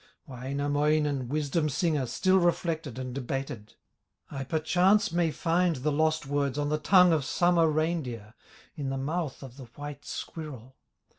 Wainamoinen, wisdom singer, Still reflected and debated: "I perchance may find the lost words On the tongue of summer reindeer, In the mouth of the white squirrel."